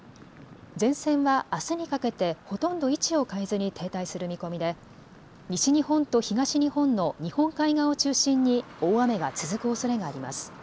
前線は、あすにかけてほとんど位置を変えずに停滞する見込みで西日本と東日本の日本海側を中心に大雨が続くおそれがあります。